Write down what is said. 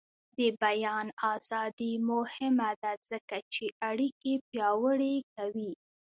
د بیان ازادي مهمه ده ځکه چې اړیکې پیاوړې کوي.